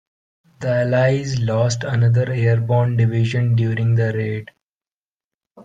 The allies lost another airborne division during the raid.